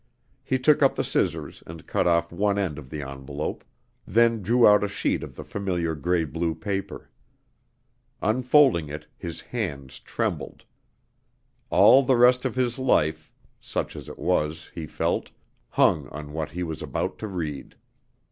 He took up the scissors and cut off one end of the envelope, then drew out a sheet of the familiar gray blue paper. Unfolding it, his hands trembled. All the rest of his life, such as it was, he felt, hung on what he was about to read.